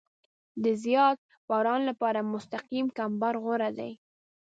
د زیات باران لپاره مستقیم کمبر غوره دی